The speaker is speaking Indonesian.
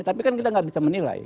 tapi kan kita nggak bisa menilai